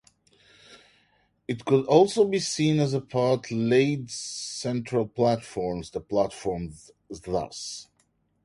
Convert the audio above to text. It could also be seen as apart Laid central platforms the platforms thus.